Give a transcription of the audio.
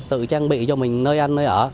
tự trang bị cho mình nơi ăn nơi ở